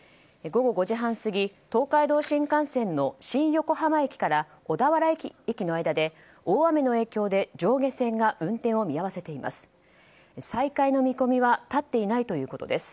午後５時半過ぎ東海道新幹線の新横浜駅から小田原駅の間で大雨の影響で上下線が運転見合わせです。